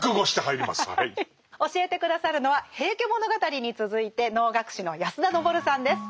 教えて下さるのは「平家物語」に続いて能楽師の安田登さんです。